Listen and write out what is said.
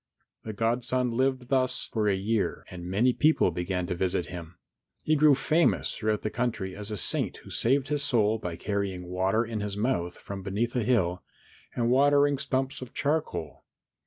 The godson lived thus for a year and many people began to visit him. He grew famous throughout the country as a saint who saved his soul by carrying water in his mouth from beneath a hill, and watering stumps of charcoal.